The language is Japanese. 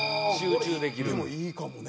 これでもいいかもね。